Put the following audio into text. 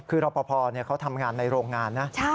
คือรอปภเขาทำงานในโรงงานนะ